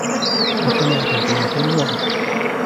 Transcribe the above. مجتمعة في مكان واحد